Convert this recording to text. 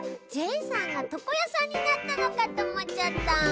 ジェイさんがとこやさんになったのかとおもっちゃった。